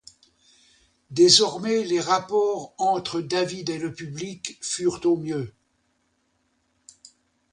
Désormais les rapports entre David et le public furent au mieux.